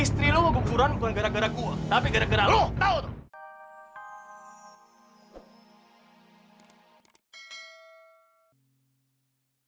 eh istri lo keguguran bukan gara gara gue tapi gara gara lo tau tuh